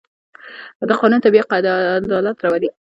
د قانون تطبیق عدالت راولي